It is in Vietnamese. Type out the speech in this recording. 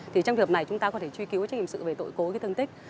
thì trong việc này chúng ta có thể truy cứu trình sự về tội cố thương tích